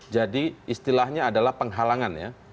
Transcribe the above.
jadi istilahnya adalah penghalangan ya